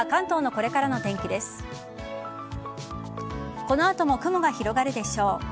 この後も雲が広がるでしょう。